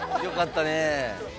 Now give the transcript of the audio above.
よかったねえ。